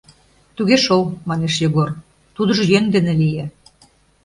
— Туге шол, — манеш Йогор, — тудыжо йӧн дене лие.